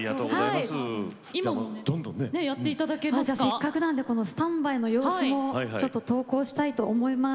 せっかくなんでスタンバイの様子もちょっと投稿したいと思います。